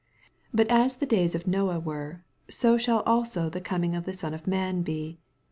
87 Bat as the days of Noe were^ so shall also the coming of the Son of man be.